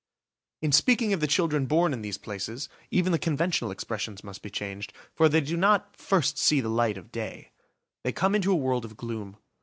In speaking of the children born in these places, even the conventional expressions must be changed, for they do not "first see the light of day"; they come into a world of gloom.